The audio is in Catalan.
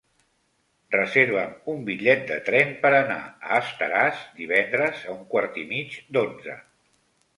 Reserva'm un bitllet de tren per anar a Estaràs divendres a un quart i mig d'onze.